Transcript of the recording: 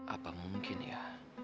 apa mungkin ya